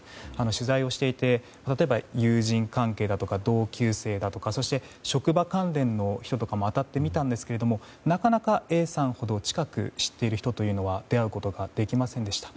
取材をしていて、例えば友人関係だとか同級生だとか職場関連の人とかも当たってみたんですがなかなかＡさんほど近く知っている人というのは出会うことができませんでした。